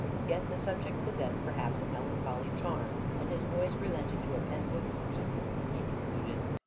Yet the subject possessed perhaps a melancholy charm, and his voice relented to a pensive unctuousness, as he concluded.